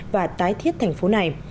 và tái thiết thành phố này